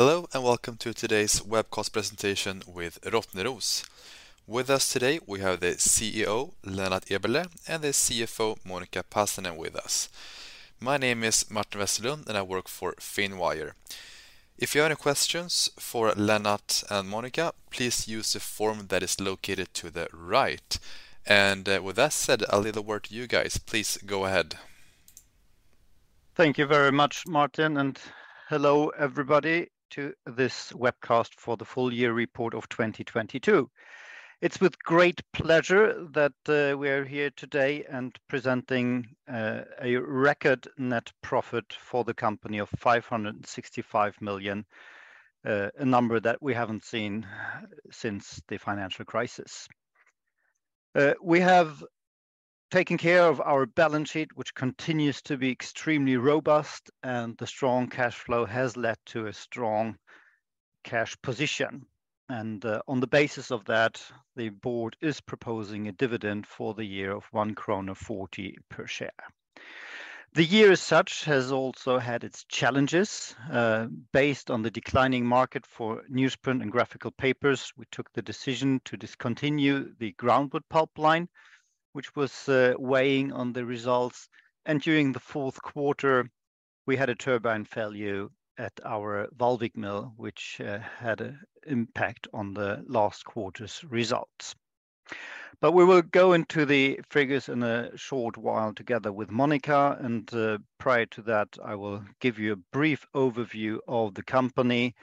Hello, welcome to today's webcast presentation with Rottneros. With us today we have the CEO, Lennart Eberleh, and the CFO, Monica Pasanen, with us. My name is Martin Westerlund, and I work for Finwire. If you have any questions for Lennart and Monica, please use the form that is located to the right. With that said, I'll leave the word to you guys. Please go ahead. Thank you very much, Martin. Hello, everybody, to this webcast for the full year report of 2022. It's with great pleasure that we are here today and presenting a record net profit for the company of 565 million, a number that we haven't seen since the financial crisis. We have taken care of our balance sheet, which continues to be extremely robust, and the strong cash flow has led to a strong cash position. On the basis of that, the board is proposing a dividend for the year of 1.40 krona per share. The year as such has also had its challenges. Based on the declining market for newsprint and graphical papers, we took the decision to discontinue the groundwood pulp line, which was weighing on the results. During the fourth quarter, we had a turbine failure at our Vallvik Mill, which had an impact on the last quarter's results. We will go into the figures in a short while together with Monica, and prior to that, I will give you a brief overview of the company.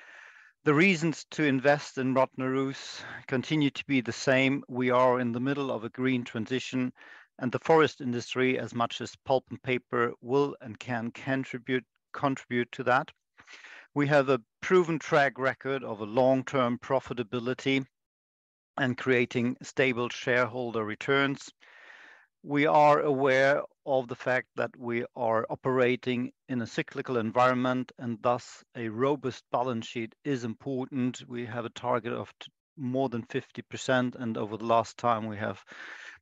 The reasons to invest in Rottneros continue to be the same. We are in the middle of a green transition, and the forest industry, as much as pulp and paper, will and can contribute to that. We have a proven track record of a long-term profitability and creating stable shareholder returns. We are aware of the fact that we are operating in a cyclical environment, and thus a robust balance sheet is important. We have a target of more than 50%, and over the last time, we have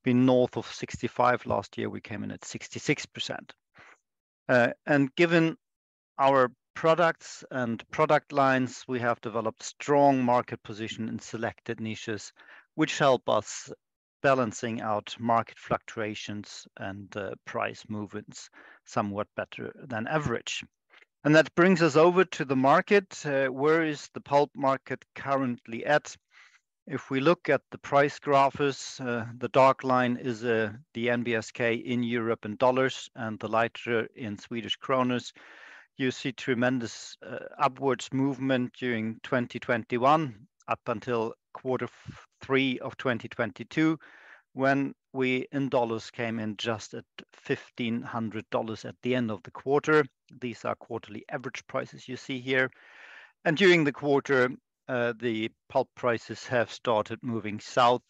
been north of 65. Last year, we came in at 66%. Given our products and product lines, we have developed strong market position in selected niches, which help us balancing out market fluctuations and price movements somewhat better than average. That brings us over to the market. Where is the pulp market currently at? If we look at the price graphs, the dark line is the NBSK in Europe in dollars and the lighter in Swedish kronors. You see tremendous upwards movement during 2021 up until quarter 3 of 2022, when we, in dollars, came in just at $1,500 at the end of the quarter. These are quarterly average prices you see here. During the quarter, the pulp prices have started moving south.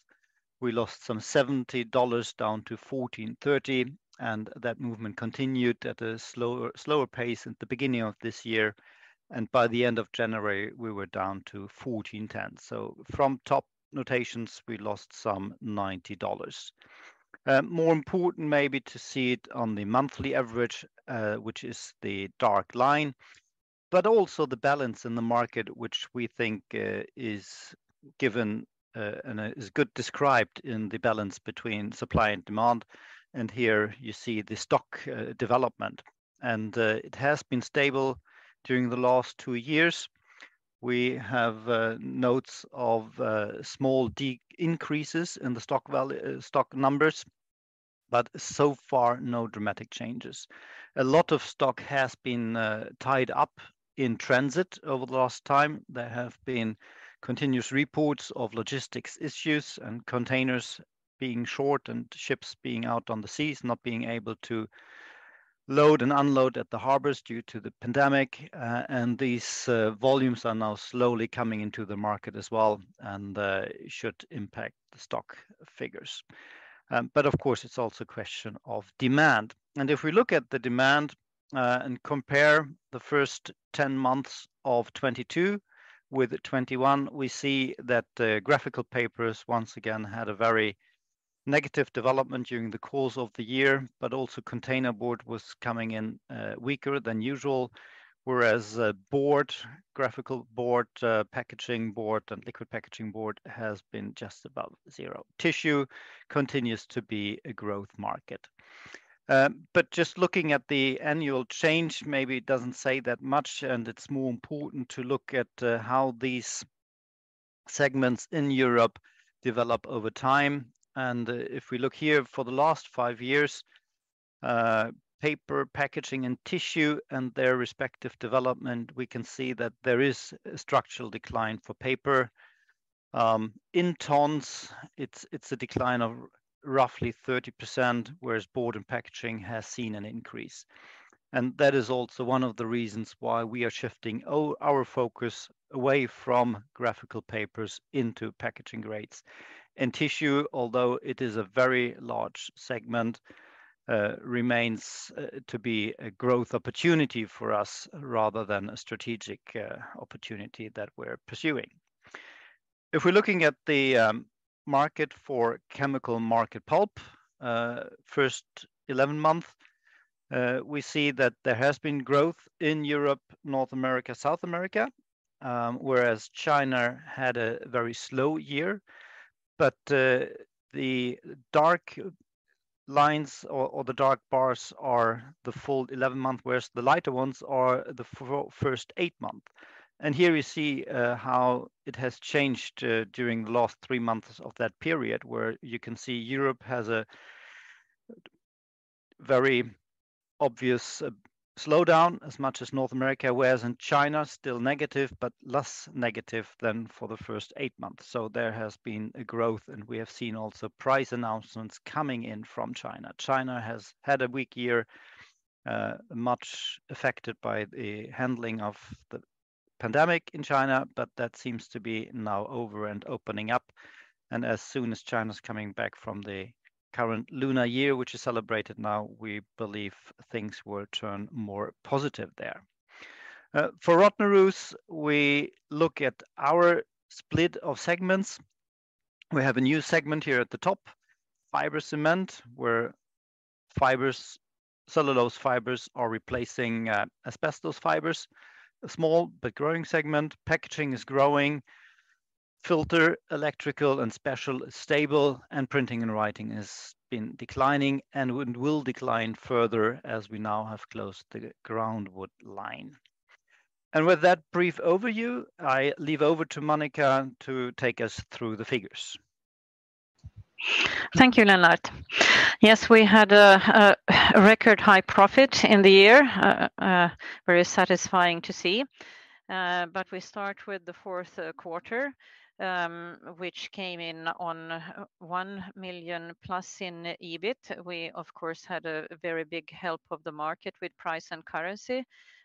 We lost some $70, down to $1,430, that movement continued at a slower pace at the beginning of this year. By the end of January, we were down to $1,410. From top notations, we lost some $90. More important maybe to see it on the monthly average, which is the dark line, but also the balance in the market, which we think is given and is good described in the balance between supply and demand. Here you see the stock development. It has been stable during the last two years. We have notes of small decreases in the stock numbers, but so far, no dramatic changes. A lot of stock has been tied up in transit over the last time. There have been continuous reports of logistics issues and containers being short and ships being out on the seas not being able to load and unload at the harbors due to the pandemic. These volumes are now slowly coming into the market as well and should impact the stock figures. Of course, it's also a question of demand. If we look at the demand and compare the first 10 months of 22 with 21, we see that the graphical papers once again had a very negative development during the course of the year, but also containerboard was coming in weaker than usual. Whereas board, graphical board, packaging board, and liquid packaging board has been just above zero. Tissue continues to be a growth market. But just looking at the annual change maybe doesn't say that much, and it's more important to look at how these segments in Europe develop over time. If we look here for the last five years, paper, packaging, and tissue and their respective development, we can see that there is a structural decline for paper. In tons, it's a decline of roughly 30%, whereas board and packaging has seen an increase. That is also one of the reasons why we are shifting our focus away from graphical papers into packaging grades. Tissue, although it is a very large segment, remains to be a growth opportunity for us rather than a strategic opportunity that we're pursuing. If we're looking at the market for chemical market pulp, first 11 months, we see that there has been growth in Europe, North America, South America, whereas China had a very slow year. The dark lines or the dark bars are the full 11 months, whereas the lighter ones are the first eight months. Here we see how it has changed during the last three months of that period, where you can see Europe has a very obvious slowdown as much as North America. Whereas in China, still negative, but less negative than for the first eight months. There has been a growth, and we have seen also price announcements coming in from China. China has had a weak year, much affected by the handling of the pandemic in China, but that seems to be now over and opening up. As soon as China's coming back from the current lunar year, which is celebrated now, we believe things will turn more positive there. For Rottneros, we look at our split of segments. We have a new segment here at the top, fiber cement, where fibers, cellulose fibers are replacing, asbestos fibers. A small but growing segment. Packaging is growing. Filter, electrical, and special is stable, and printing and writing has been declining and will decline further as we now have closed the groundwood line. With that brief overview, I leave over to Monica to take us through the figures. Thank you, Lennart. Yes, we had a record high profit in the year, very satisfying to see. We start with the fourth quarter, which came in on 1 million plus in EBIT. We, of course, had a very big help of the market with price and currency,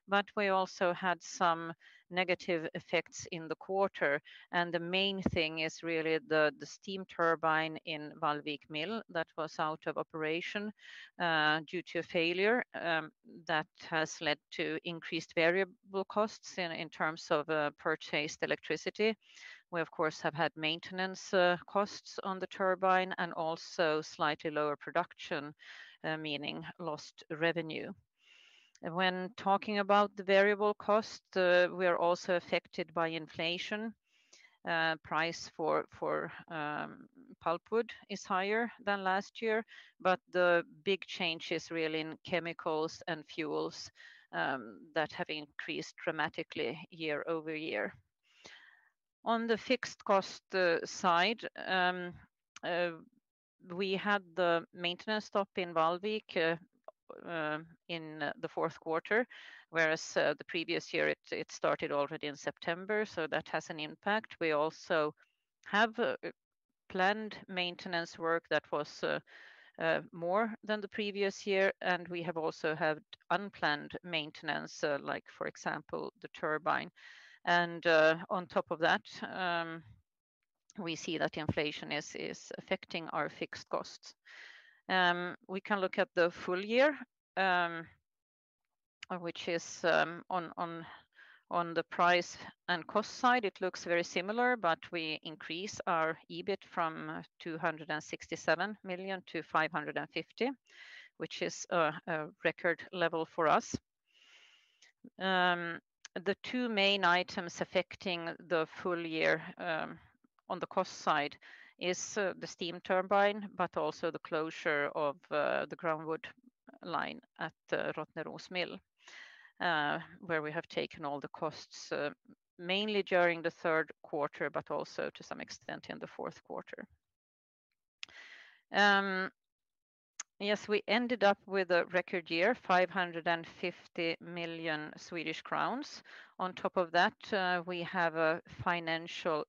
but we also had some negative effects in the quarter. The main thing is really the steam turbine in Vallvik Mill that was out of operation, due to a failure, that has led to increased variable costs in terms of purchased electricity. We, of course, have had maintenance costs on the turbine and also slightly lower production, meaning lost revenue. When talking about the variable cost, we are also affected by inflation. Price for pulpwood is higher than last year, but the big change is really in chemicals and fuels that have increased dramatically year-over-year. On the fixed cost side, we had the maintenance stop in Vallvik in the fourth quarter, whereas the previous year, it started already in September, so that has an impact. We also have planned maintenance work that was more than the previous year, and we have also had unplanned maintenance, like, for example, the turbine. On top of that, we see that inflation is affecting our fixed costs. We can look at the full year, which is on, on the price and cost side, it looks very similar, but we increase our EBIT from 267 million to 550, which is a record level for us. The two main items affecting the full year on the cost side is the steam turbine, but also the closure of the groundwood line at Rottneros Mill, where we have taken all the costs mainly during the third quarter, but also to some extent in the fourth quarter. Yes, we ended up with a record year, 550 million Swedish crowns. On top of that, we have a financial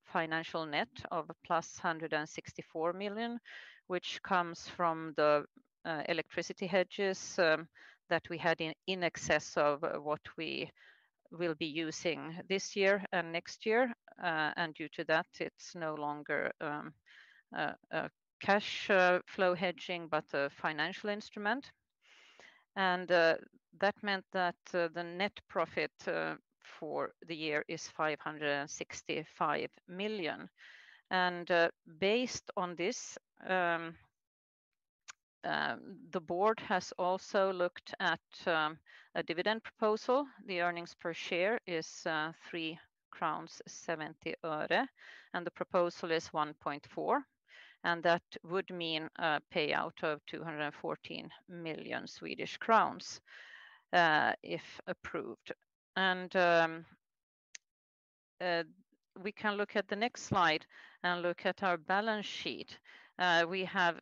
net of +164 million, which comes from the electricity hedges that we had in excess of what we will be using this year and next year. Due to that, it's no longer a cash flow hedging, but a financial instrument. That meant that the net profit for the year is 565 million. Based on this, the board has also looked at a dividend proposal. The earnings per share is 3.70 crowns, the proposal is 1.4, and that would mean a payout of 214 million Swedish crowns if approved. We can look at the next slide and look at our balance sheet. We have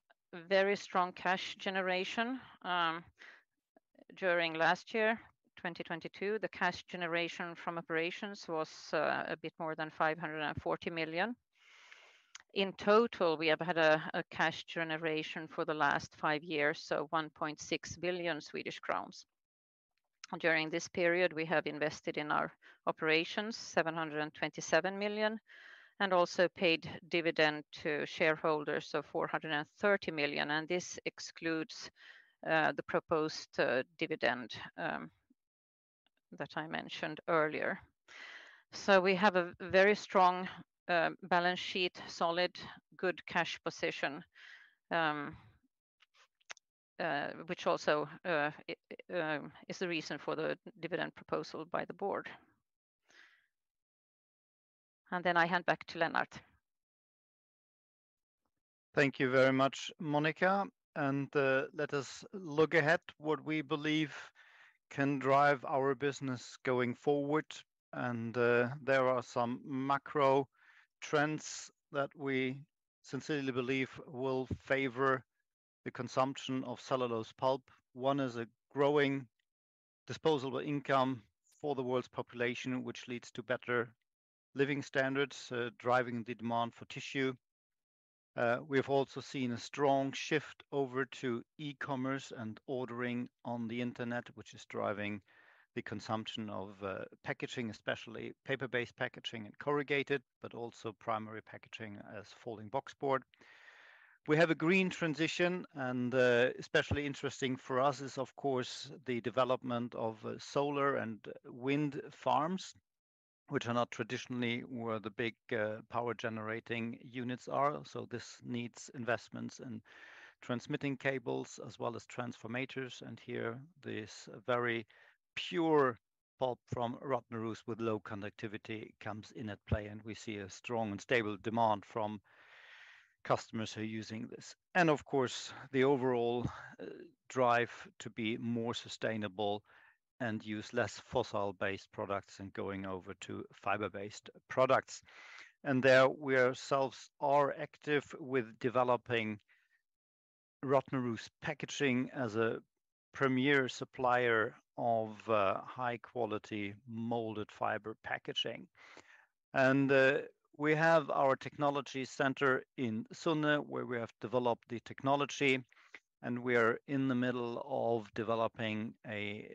very strong cash generation during last year, 2022. The cash generation from operations was a bit more than 540 million. In total, we have had a cash generation for the last five years, so 1.6 billion Swedish crowns. During this period, we have invested in our operations 727 million and also paid dividend to shareholders of 430 million, and this excludes the proposed dividend that I mentioned earlier. We have a very strong balance sheet, solid, good cash position, which also is the reason for the dividend proposal by the board. I hand back to Lennart. Thank you very much, Monica. Let us look ahead what we believe can drive our business going forward. There are some macro trends that we sincerely believe will favor the consumption of cellulose pulp. One is a growing disposable income for the world's population, which leads to better living standards, driving the demand for tissue. We have also seen a strong shift over to e-commerce and ordering on the internet, which is driving the consumption of packaging, especially paper-based packaging and corrugated, but also primary packaging as folding boxboard. We have a green transition. Especially interesting for us is, of course, the development of solar and wind farms, which are not traditionally where the big power-generating units are. This needs investments in transmitting cables as well as transformators. Here, this very pure pulp from Rottneros with low conductivity comes in at play, and we see a strong and stable demand from customers who are using this. Of course, the overall drive to be more sustainable and use less fossil-based products and going over to fiber-based products. There we ourselves are active with developing Rottneros Packaging as a premier supplier of high-quality molded fiber packaging. We have our technology center in Sunne, where we have developed the technology, and we are in the middle of developing a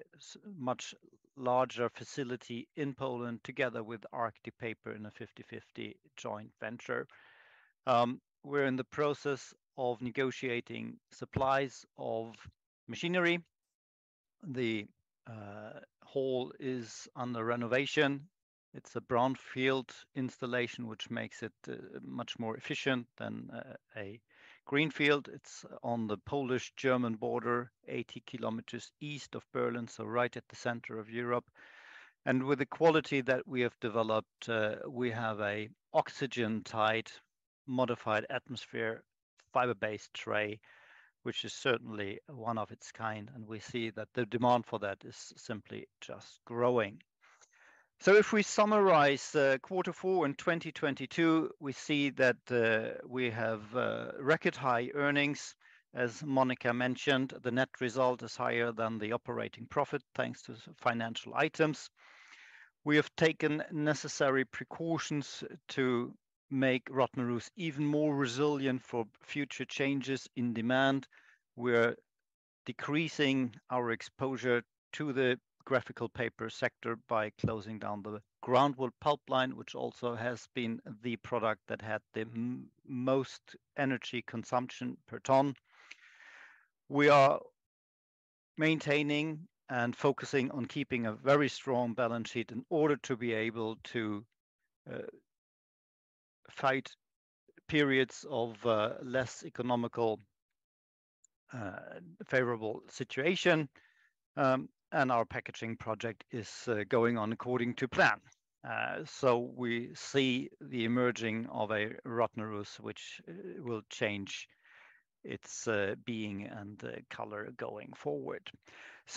much larger facility in Poland together with Arctic Paper in a 50/50 joint venture. We're in the process of negotiating supplies of machinery. The hall is under renovation. It's a brownfield installation, which makes it much more efficient than a greenfield. It's on the Polish-German border, 80 km east of Berlin, so right at the center of Europe. With the quality that we have developed, we have an oxygen-tight, modified atmosphere, fiber-based tray, which is certainly one of its kind, and we see that the demand for that is simply just growing. If we summarize quarter four in 2022, we see that we have record high earnings. As Monica mentioned, the net result is higher than the operating profit, thanks to financial items. We have taken necessary precautions to make Rottneros even more resilient for future changes in demand. We're decreasing our exposure to the graphical paper sector by closing down the groundwood pulp line, which also has been the product that had the most energy consumption per ton. We are maintaining and focusing on keeping a very strong balance sheet in order to be able to fight periods of less economical favorable situation. Our packaging project is going on according to plan. We see the emerging of a Rottneros which will change its being and color going forward.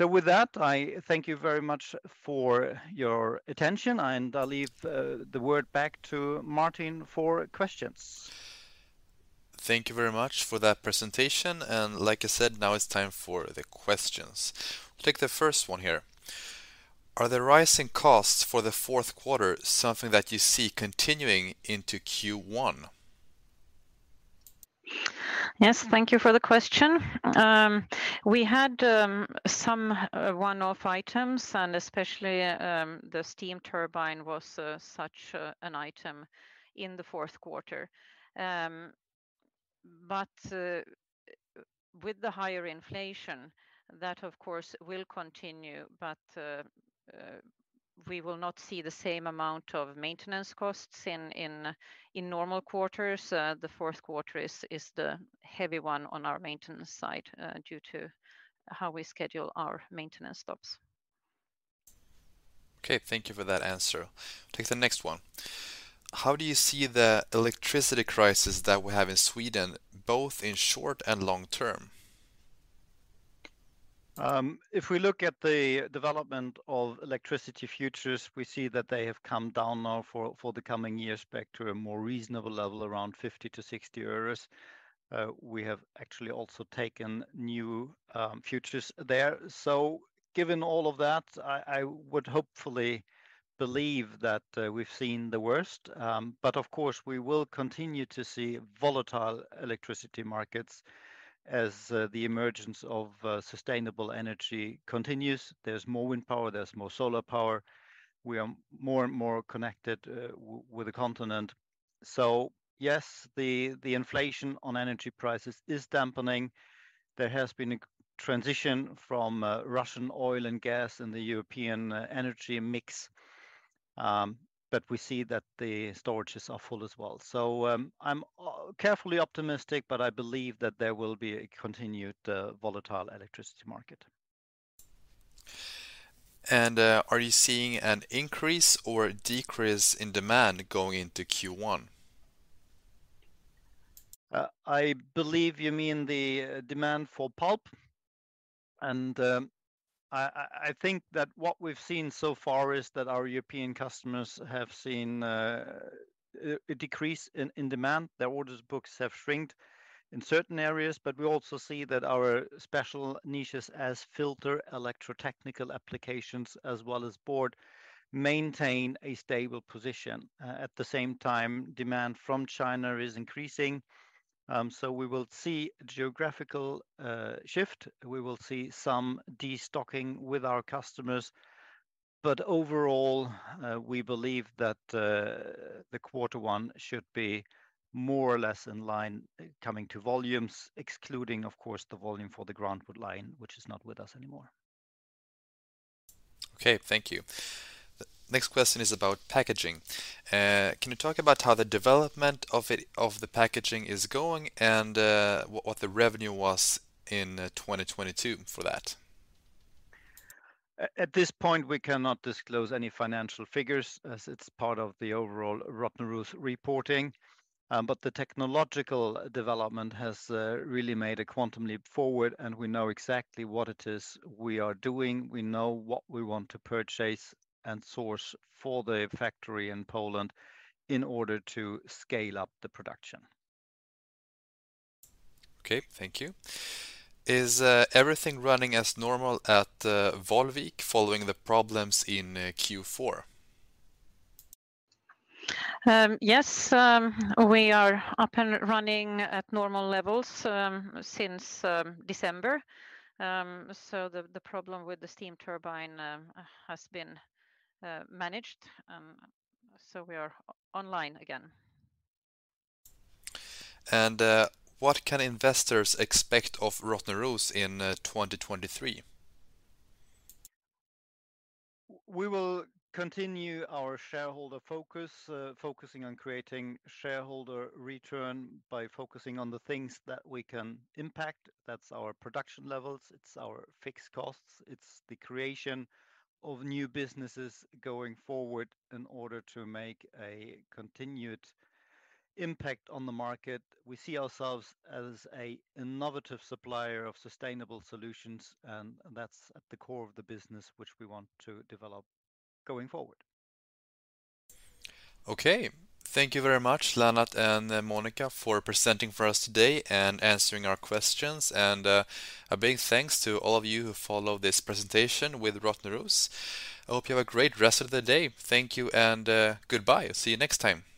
With that, I thank you very much for your attention, and I'll leave the word back to Martin for questions. Thank you very much for that presentation. Like I said, now it's time for the questions. Take the first one here. Are the rising costs for the fourth quarter something that you see continuing into Q1? Yes, thank you for the question. We had some one-off items, and especially the steam turbine was such an item in the fourth quarter. With the higher inflation, that of course will continue, but we will not see the same amount of maintenance costs in normal quarters. The fourth quarter is the heavy one on our maintenance side due to how we schedule our maintenance stops. Okay, thank you for that answer. Take the next one. How do you see the electricity crisis that we have in Sweden, both in short and long term? If we look at the development of electricity futures, we see that they have come down now for the coming years back to a more reasonable level, around 50-60 euros. We have actually also taken new futures there. Given all of that, I would hopefully believe that we've seen the worst. Of course, we will continue to see volatile electricity markets as the emergence of sustainable energy continues. There's more wind power, there's more solar power. We are more and more connected with the continent. Yes, the inflation on energy prices is dampening. There has been a transition from Russian oil and gas in the European energy mix, but we see that the storages are full as well. I'm carefully optimistic, but I believe that there will be a continued, volatile electricity market. Are you seeing an increase or decrease in demand going into Q1? I believe you mean the demand for pulp, and I think that what we've seen so far is that our European customers have seen a decrease in demand. Their orders books have shrinked in certain areas, but we also see that our special niches as filter electrotechnical applications as well as board maintain a stable position. At the same time, demand from China is increasing, so we will see geographical shift. We will see some de-stocking with our customers. Overall, we believe that the quarter one should be more or less in line coming to volumes, excluding of course the volume for the groundwood line, which is not with us anymore. Okay, thank you. Next question is about packaging. Can you talk about how the development of the packaging is going, and what the revenue was in 2022 for that? At this point, we cannot disclose any financial figures, as it's part of the overall Rottneros reporting. The technological development has really made a quantum leap forward, and we know exactly what it is we are doing. We know what we want to purchase and source for the factory in Poland in order to scale up the production. Okay, thank you. Is everything running as normal at Vallvik following the problems in Q4? Yes, we are up and running at normal levels, since December. The problem with the steam turbine has been managed. We are online again. What can investors expect of Rottneros in 2023? We will continue our shareholder focus, focusing on creating shareholder return by focusing on the things that we can impact. That's our production levels. It's our fixed costs. It's the creation of new businesses going forward in order to make a continued impact on the market. We see ourselves as a innovative supplier of sustainable solutions, and that's at the core of the business which we want to develop going forward. Okay. Thank you very much, Lennart and Monica, for presenting for us today and answering our questions. A big thanks to all of you who followed this presentation with Rottneros. I hope you have a great rest of the day. Thank you and, goodbye. See you next time. Thank you.